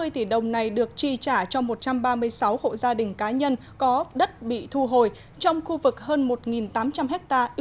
một trăm năm mươi tỷ đồng này được tri trả cho một trăm ba mươi sáu hộ gia đình cá nhân có đất bị thu hồi trong khu vực hơn một tám trăm linh hectare